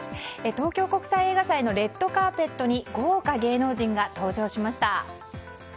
東京国際映画祭のレッドカーペットに豪華芸能人が登場しました。